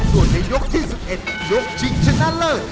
ส่วนในยกที่๑๑ยกชิงชนะเลิศ